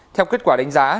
theo kết quả đánh giá